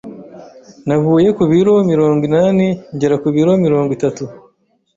navuye ku biromirongo inani ngera ku biro mirongo itatu